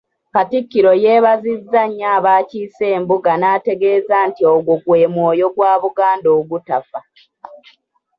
Katikkiro yeebazizza nnyo abaakiise embuga n’ategeeza nti ogwo gwe mwoyo gwa Buganda ogutafa.